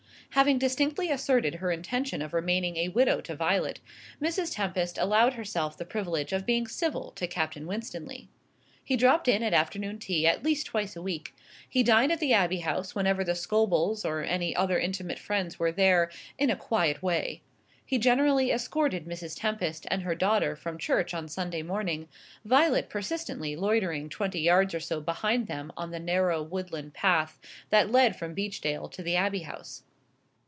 Having distinctly asserted her intention of remaining a widow to Violet, Mrs. Tempest allowed herself the privilege of being civil to Captain Winstanley. He dropped in at afternoon tea at least twice a week; he dined at the Abbey House whenever the Scobels or any other intimate friends were there "in a quiet way." He generally escorted Mrs. Tempest and her daughter from church on Sunday morning, Violet persistently loitering twenty yards or so behind them on the narrow woodland path that led from Beechdale to the Abbey House.